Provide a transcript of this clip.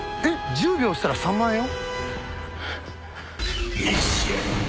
１０秒押したら３万円よ。